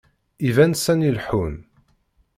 Iban sani leḥḥun.